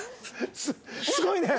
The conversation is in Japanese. すごいね。